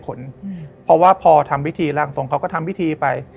ผลเพราะว่าพอทำพิธีร่างทรงเขาก็ทำพิธีไป